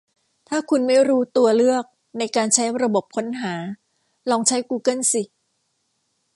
ถ้าคุณไม่รู้ตัวเลือกในการใช้ระบบค้นหา ลองใช้กูเกิ้ลสิ